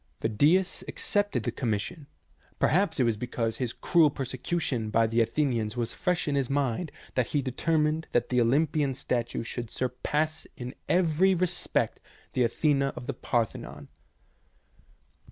Phidias accepted the commis sion. Perhaps it was because his cruel persecu tion by the Athenians was fresh in his mind that he determined that the Olympian statue should surpass in every respect the Athena of the Par thenon.